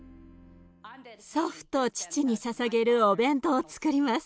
祖父と父にささげるお弁当をつくります。